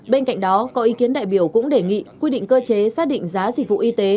bên cạnh đó có ý kiến đại biểu cũng đề nghị quy định cơ chế xác định giá dịch vụ y tế